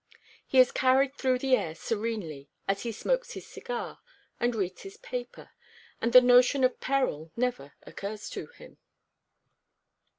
He is carried through the air serenely, as he smokes his cigar and reads his paper, and the notion of peril never occurs to him.